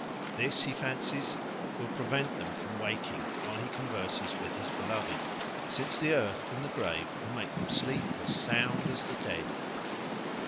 This, he fancies, will prevent them from waking while he converses with his beloved, since the earth from the grave will make them sleep as sound as the dead.